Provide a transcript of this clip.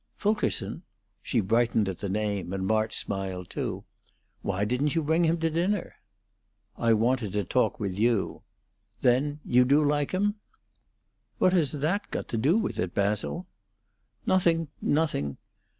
"Fulkerson?" She brightened at the name, and March smiled, too. "Why didn't you bring him to dinner?" "I wanted to talk with you. Then you do like him?" "What has that got to do with it, Basil?" "Nothing! nothing!